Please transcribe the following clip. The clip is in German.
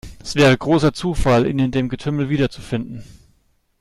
Es wäre großer Zufall, ihn in dem Getümmel wiederzufinden.